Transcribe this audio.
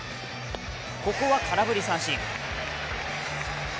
ここは空振り三振。